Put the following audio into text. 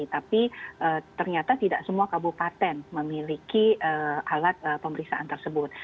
tapi ternyata tidak semua kabupaten memiliki alat pemeriksaan tersebut